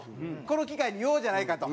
この機会に言おうじゃないかと。